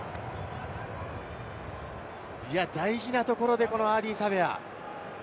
大事なところでアーディー・サヴェア。